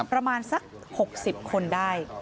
ประมาณสัก๖๐คนได้